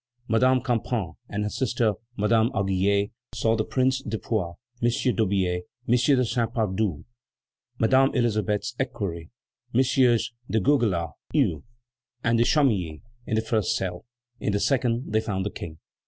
Madame Campan and her sister, Madame Auguié, saw the Prince de Poix, M. d'Aubier, M. de Saint Pardou, Madame Elisabeth's equerry, MM. de Goguelat, Hue, and de Chamilly in the first cell; in the second they found the King.